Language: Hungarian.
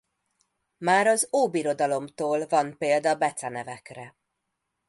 Már az Óbirodalomtól van példa becenevekre.